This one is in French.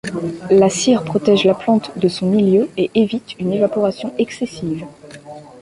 La cire protège la plante de son milieu et évite une évaporation excessive.